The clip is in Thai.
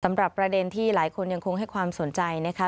ประเด็นที่หลายคนยังคงให้ความสนใจนะคะ